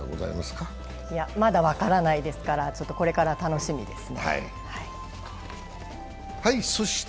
まだ分からないですからこれから楽しみです。